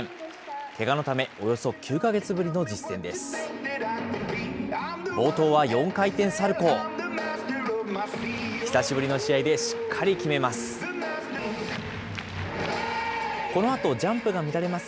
けがのため、およそ９か月ぶりの実戦です。